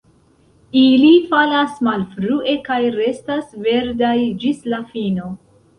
Ili falas malfrue kaj restas verdaj ĝis la fino.